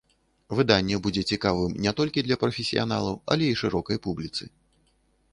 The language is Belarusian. Выданне будзе цікавым не толькі для прафесіяналаў, але і шырокай публіцы.